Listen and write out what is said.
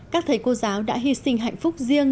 các thầy cô giáo đã hy sinh hạnh phúc riêng